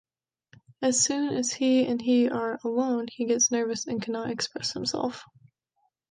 As soon as he and he are alone, he gets nervous and cannot express himself.